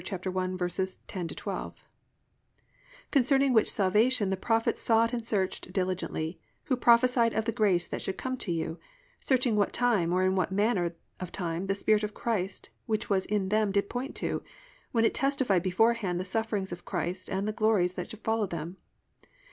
1:10 12, +"Concerning which salvation the prophets sought and searched diligently, who prophesied of the grace that should come to you; searching what time, or what manner of time the Spirit of Christ which was in them did point unto, when it testified beforehand the sufferings of Christ and the glories that should follow them.